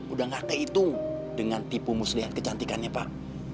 udah gak terhitung dengan tipu muslihat kecantikannya pak